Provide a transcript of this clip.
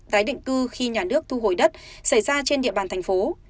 tái định cư khi nhà nước thu hồi đất xảy ra trên địa bàn thành phố